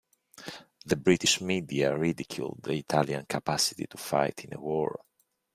The British media ridiculed the Italian capacity to fight in a war.